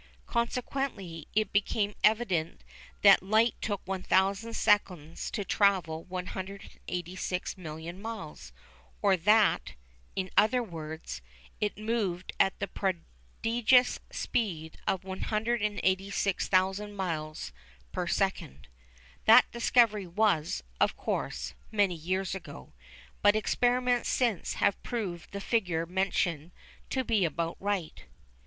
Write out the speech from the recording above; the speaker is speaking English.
Consequently it became evident that light took 1000 seconds to travel 186 million miles, or that, in other words, it moved at the prodigious speed of 186 thousand miles per second. That discovery was, of course, many years ago, but experiments since have proved the figure mentioned to be about right.